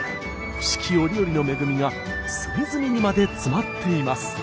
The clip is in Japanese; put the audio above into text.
四季折々の恵みが隅々にまで詰まっています。